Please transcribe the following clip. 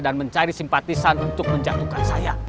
dan mencari simpatisan untuk menjatuhkan saya